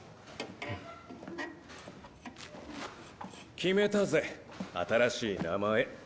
決めたぜ新しい名前。